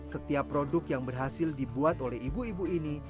setiap produk yang berhasil dibuat oleh ibu ibu ini